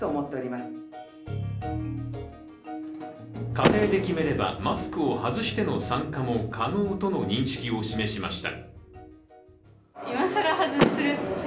家庭で決めればマスクを外しての参加も可能との認識を示しました。